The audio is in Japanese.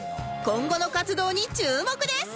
今後の活動に注目です！